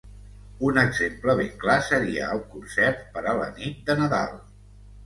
Un exemple ben clar seria el Concert per a la Nit de Nadal.